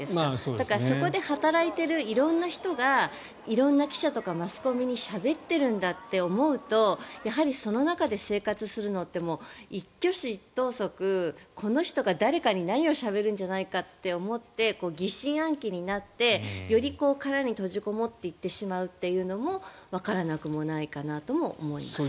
だから、そこで働いている色んな人が色んな記者とかマスコミにしゃべっているんだって思うとやはりその中で生活するのって一挙手一投足、この人が誰かに何かしゃべるんじゃないかって疑心暗鬼になってより殻に閉じこもっていってしまうというのもわからなくもないかなとも思います。